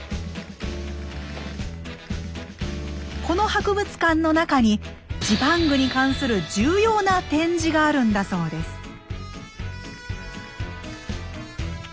この博物館の中にジパングに関する重要な展示があるんだそうです。